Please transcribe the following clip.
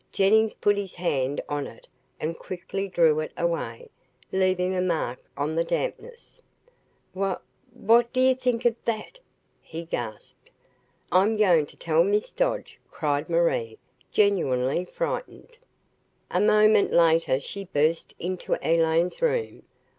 Jennings put his hand on it and quickly drew it away, leaving a mark on the dampness. "Wh what do you think of that?" he gasped. "I'm going to tell Miss Dodge," cried Marie, genuinely frightened. A moment later she burst into Elaine's room.